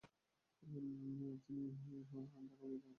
ইতিহাসে তিনি Hanzala bin Abu Amr নামে খ্যাত।